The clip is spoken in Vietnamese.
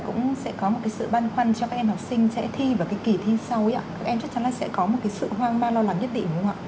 tuy nhiên là cũng sẽ có một cái sự băn khoăn